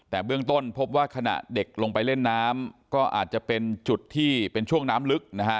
แต่เบื้องต้นพบว่าขณะเด็กลงไปเล่นน้ำก็อาจจะเป็นจุดที่เป็นช่วงน้ำลึกนะฮะ